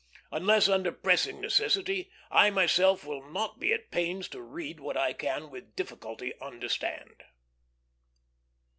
Unless under pressing necessity, I myself will not be at pains to read what I can with difficulty understand.